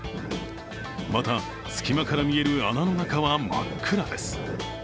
また、隙間から見える穴の中は真っ暗です。